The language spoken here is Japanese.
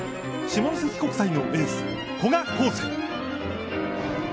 下関国際のエース古賀康誠。